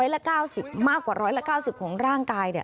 ๑๐๐ละ๙๐มากกว่า๑๐๐ละ๙๐ของร่างกาย